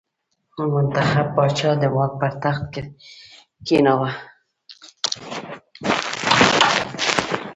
منتخب پاچا د واک پر تخت کېناوه.